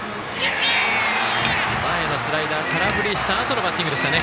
前のスライダー空振りしたあとのバッティングでしたね。